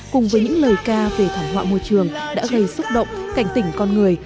cùng với những lời ca về thảm họa môi trường đã gây xúc động cảnh tỉnh con người